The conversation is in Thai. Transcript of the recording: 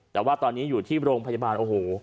แต่ว่าตอนนี้อยู่ที่โรงพยาบาลโอ้โห